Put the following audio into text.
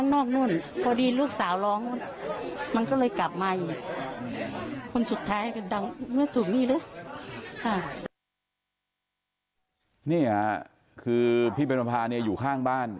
นี่อ่ะคือพี่เบนมันพาอยู่ข้างบ้าน